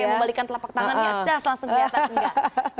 yang langsung kayak membalikan telapak tangan ya tas langsung ke atas